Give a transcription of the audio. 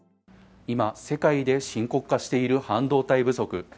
今、世界で深刻化している半導体不足。